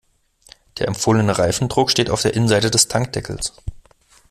Der empfohlene Reifendruck steht auf der Innenseite des Tankdeckels.